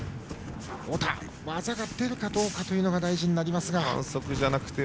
太田、技が出るかどうかが大事になりますが。